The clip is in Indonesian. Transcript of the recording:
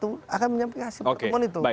pak amin juga akan menyampaikan hasil pertemuan itu